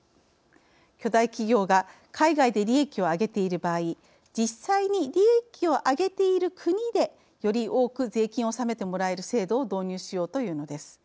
巨大企業が海外で利益をあげている場合実際に利益をあげている国でより多く税金を納めてもらえる制度を導入しようというのです。